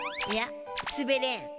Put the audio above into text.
いやすべれん。